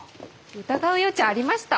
疑う余地ありました？